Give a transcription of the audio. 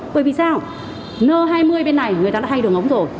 bởi vì sao nơ hai mươi bên này người ta đã hay đường ống rồi